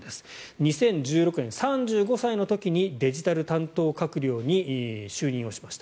２０１６年、３５歳の時にデジタル担当閣僚に就任をしました。